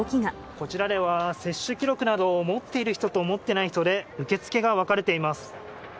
こちらでは、接種記録などを持っている人と、持っていない人で、受付が分かれています。